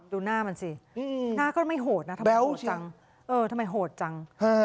ดูหน้ามันสิหน้าก็ไม่โหดนะทำไมโหดจังเออทำไมโหดจัง